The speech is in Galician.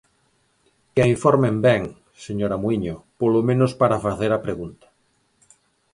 Que a informen ben, señora Muíño, polo menos para facer a pregunta.